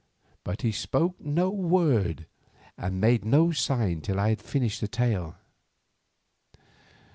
But he spoke no word and made no sign till I had finished the tale.